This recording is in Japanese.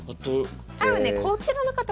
多分ねこちらの方は。